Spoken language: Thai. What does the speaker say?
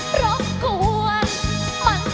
ฮุยฮาฮุยฮารอบนี้ดูทางเวที